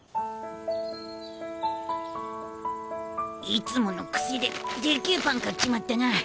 いつもの癖ででけえパン買っちまったな。